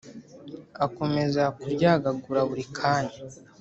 akomeza kuryagagura buri kanya.